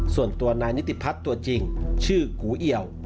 ส่วนตัวนายนิติพัฒน์ตัวจริงชื่อกูเอี่ยว